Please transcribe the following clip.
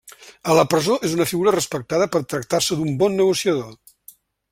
A la presó és una figura respectada per tractar-se d'un bon negociador.